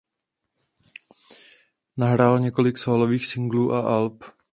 Nahrál několik sólových singlů a alb.